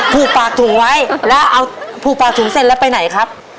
ผูกปากถุงไว้แล้วเอาผูกปากถุงเสร็จแล้วไปไหนครับ